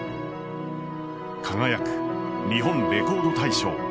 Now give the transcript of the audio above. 「輝く！日本レコード大賞」